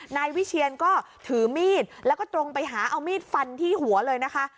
นายวิเชียนก็ถือมีดแล้วก็ตรงไปหาเอามีดฟันที่หัวเลยนะคะ